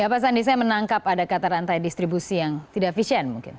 ya pak sandi saya menangkap ada kata rantai distribusi yang tidak efisien mungkin